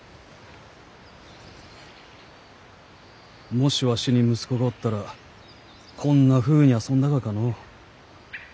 もしわしに息子がおったらこんなふうに遊んだがかのう？